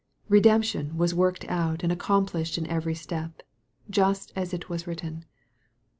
Redemption was worked out and accomplished in every step, just "as it was written."